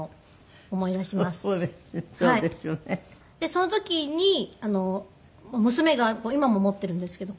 その時に娘が今も持っているんですけど。